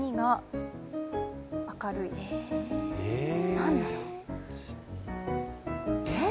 何だろう。